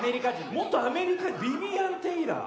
元アメリカビビアン・テイラー。